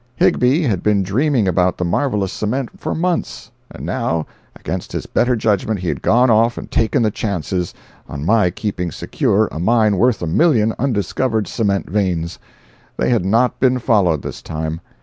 Higbie had been dreaming about the marvelous cement for months; and now, against his better judgment, he had gone off and "taken the chances" on my keeping secure a mine worth a million undiscovered cement veins. They had not been followed this time.